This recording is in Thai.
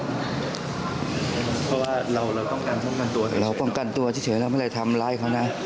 เพราะว่าเราคนเรามันตัวแนวป้องกันตัวเฉยเฉยพอมาไม่ได้ทำร้ายเขานะเออ